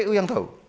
itu kpu yang tahu